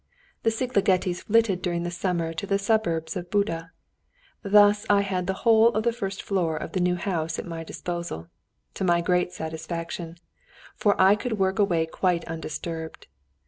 The Szigligetis flitted during the summer to the suburbs of Buda. Thus I had the whole of the first floor of the new house at my disposal, to my great satisfaction, for I could work away quite undisturbed.